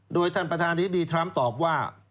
โดยท่านประธานิดีทรัมป์ตอบว่า